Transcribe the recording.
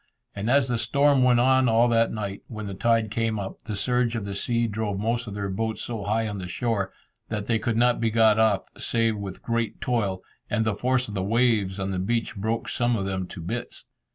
And as the storm went on all that night, when the tide came up, the surge of the sea drove most of their boats so high on the shore, that they could not be got off save with great toil, and the force of the waves on the beach broke some of them to bits.